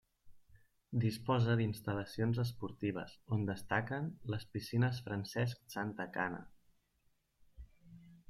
Disposa d'instal·lacions esportives, on destaquen les piscines Francesc Santacana.